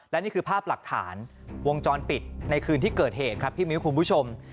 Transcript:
และนี่คือภาพหลักฐานวงจรปิดในคืนที่เกิดเหตุครับพี่มิ้วคุณผู้ชม